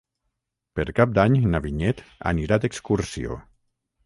Per Cap d'Any na Vinyet anirà d'excursió.